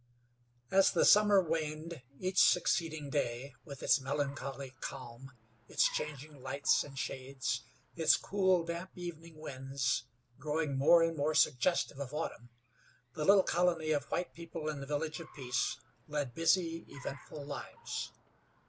As the summer waned, each succeeding day, with its melancholy calm, its changing lights and shades, its cool, damp evening winds, growing more and more suggestive of autumn, the little colony of white people in the Village of Peace led busy, eventful lives.